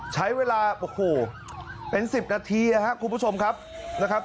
ใช้เวลาโอ้โหเป็น๑๐นาทีนะครับคุณผู้ชมครับนะครับ